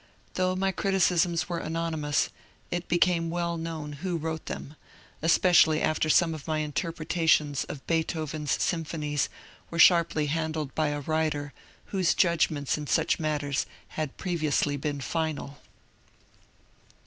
Though my criticisms were anonymous, it became well known who wrote them, especially after some of my interpretations of Beethoven's Symphonies were sharply handled by a writer whose judgments in such matters had previously been final.